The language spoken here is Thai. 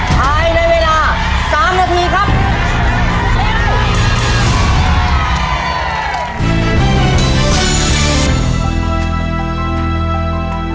ภายในเวลา๓นาทีครับ